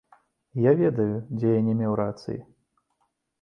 Я ведаю, дзе я не меў рацыі.